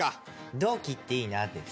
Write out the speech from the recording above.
「同期っていいなぁ」です。